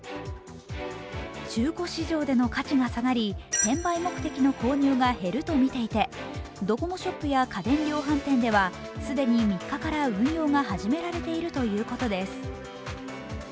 中古市場での価値が下がり転売目的の購入が減るとみていてドコモショップや家電量販店では既に３日から運用が始められているということです。